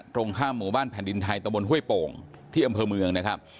ตรงข้ามหมู่บ้านแผ่นดินไทยตะบนห้วยโป่งที่อำเภอเมืองนะครับ